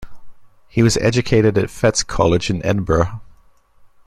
He was educated at Fettes College in Edinburgh.